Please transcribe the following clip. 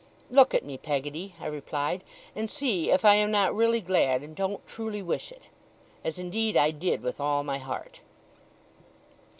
'Look at me, Peggotty,' I replied; 'and see if I am not really glad, and don't truly wish it!' As indeed I did, with all my heart.